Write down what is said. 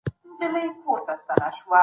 موقتي حرمت هغه دی، چي يو مانع موجود وي.